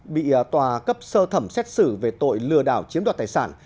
bị tòa cấp sơ thẩm xét xử về tội lừa đảo chiếm đoạt tài sản